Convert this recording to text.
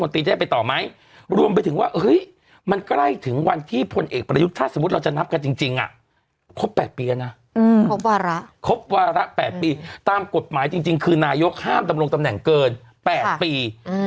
ตามกฎหมายจริงคือนายกห้ามตำรวงตำแหน่งเกิน๘ปี